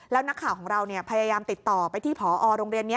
แล้วนักข่าวของเราพยายามติดต่อไปที่ผอโรงเรียนนี้